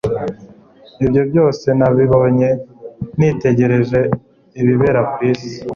ibyo byose nabibonye nitegereje ibibera ku isi